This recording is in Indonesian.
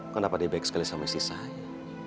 kok gak pada baik sekali sama istri saya